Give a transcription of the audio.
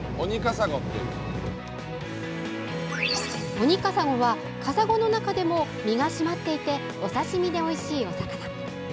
オニカサゴはカサゴの中でも身が締まっていてお刺身でおいしいお魚。